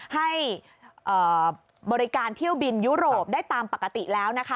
ให้บริการเที่ยวบินยุโรปได้ตามปกติแล้วนะคะ